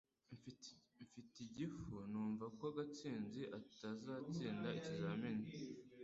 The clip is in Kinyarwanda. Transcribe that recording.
Mfite igifu numva ko Gatsinzi atazatsinda ikizamini